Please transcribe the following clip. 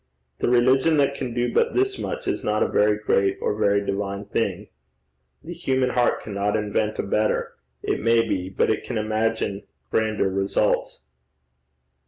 The religion that can do but this much is not a very great or very divine thing. The human heart cannot invent a better it may be, but it can imagine grander results.'